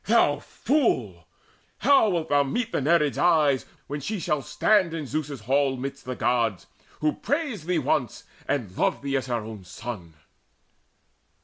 Thou fool! how wilt thou meet the Nereid's eyes, When she shall stand in Zeus' hall midst the Gods, Who praised thee once, and loved as her own son?"